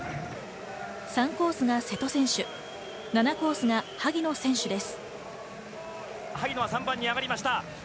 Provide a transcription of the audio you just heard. ３コースが瀬戸選手、７コースが萩野選手です。